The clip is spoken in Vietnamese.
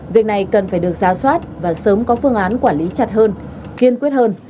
việc này cần phải được giá soát và sớm có phương án quản lý chặt hơn kiên quyết hơn